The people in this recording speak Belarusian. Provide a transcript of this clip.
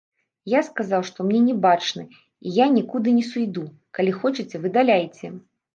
Я сказаў, што мне не бачны і я нікуды не сыйду, калі хочаце выдаляйце.